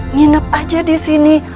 nginap aja di sini